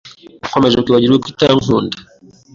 Nkomeje kwibagirwa ko utankunda.